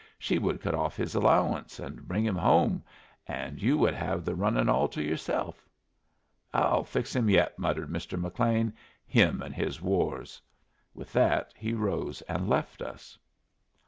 She would cut off his allowance and bring him home, and you would have the runnin' all to yourself." "I'll fix him yet," muttered Mr. McLean. "Him and his wars." With that he rose and left us.